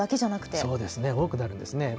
そうですね、多くなるんですね。